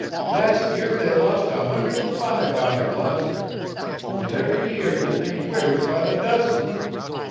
"Last year they lost a hundred an' five out o' Gloucester, an' every year they make widders by the dozen.